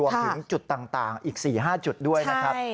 รวมถึงจุดต่างอีก๔๕จุดด้วยนะครับ